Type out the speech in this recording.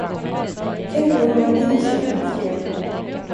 Tänk på hur många liv som står på spel.